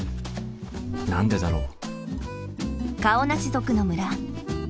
何でだろう？